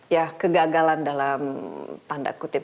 ya kegagalan dalam tanda kutip